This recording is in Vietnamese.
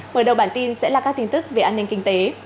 mở đầu bản tin sẽ là các tin tức về an ninh kinh tế